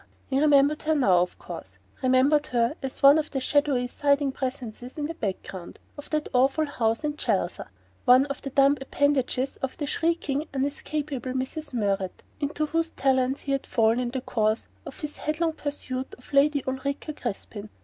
He remembered her now, of course: remembered her as one of the shadowy sidling presences in the background of that awful house in Chelsea, one of the dumb appendages of the shrieking unescapable Mrs. Murrett, into whose talons he had fallen in the course of his head long pursuit of Lady Ulrica Crispin.